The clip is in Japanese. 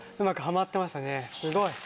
すごい！